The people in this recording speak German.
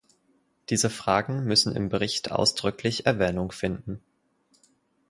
Diese Fragen müssen im Bericht ausdrücklich Erwähnung finden.